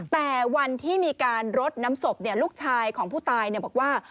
แต่วันที่มีการรดน้ำศพลูกชายของผู้ตายบอกว่า